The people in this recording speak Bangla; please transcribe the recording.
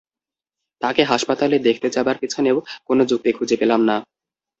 তাকে হাসপাতালে দেখতে যাবার পিছনেও কোনো যুক্তি খুঁজে পেলাম না।